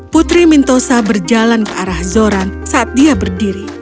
putri mintosa berjalan ke arah zoran saat dia berdiri